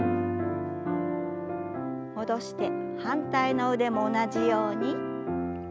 戻して反対の腕も同じように。